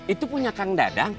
itu punya kang dadang